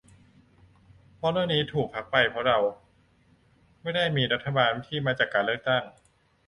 เพราะเรื่องนี้ถูกพักไปเพราะเราไม่ได้มีรัฐบาลที่มาจากการเลือกตั้ง